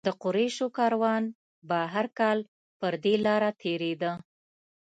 د قریشو کاروان به هر کال پر دې لاره تېرېده.